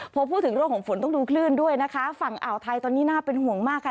พอพูดถึงเรื่องของฝนต้องดูคลื่นด้วยนะคะฝั่งอ่าวไทยตอนนี้น่าเป็นห่วงมากค่ะ